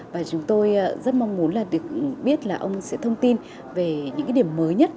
và chúng tôi rất mong muốn được biết là ông sẽ thông tin về những điểm mới nhất